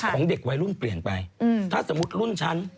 ของเด็กวัยรุ่นเปลี่ยนไปถ้าสมมุติรุ่นฉัน